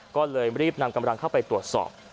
ก็เลยรีบนำกำลังเข้าไปตรวจสอบ